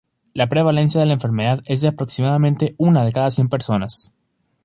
La prevalencia de la enfermedad es de aproximadamente una de cada cien personas.